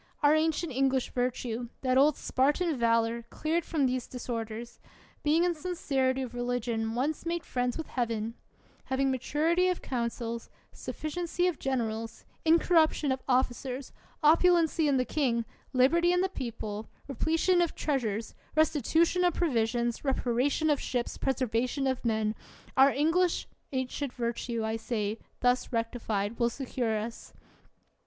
Our ancient English virtue, that old Spartan valor, cleared from these disor ders; being in sincerity of religion once made friends with Heaven; having maturity of coun cils, sufficiency of generals, incorruption of offi cers, opulency in the king, liberty in the people, repletion in treasures, restitution of provisions, reparation of ships, preservation of men — our ancient English virtue, I say thus rectified, will secure us.